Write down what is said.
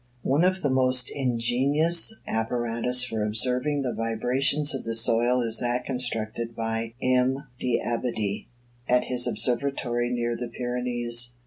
One of the most ingenious apparatus for observing the vibrations of the soil is that constructed by M. d'Abbadie, at his observatory near the Pyrenees.